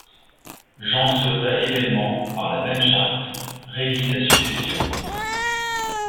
Jean souhaita également, par la même charte, régler sa succession.